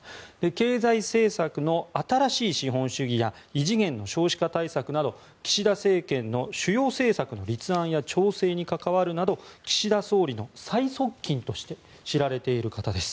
経済政策の新しい資本主義や異次元の少子化対策など岸田政権の主要政策の立案や調整に関わるなど岸田総理の最側近として知られている方です。